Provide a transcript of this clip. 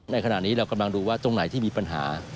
ในขณะนี้เรากำลังดูว่าตรงไหนที่มีปัญหา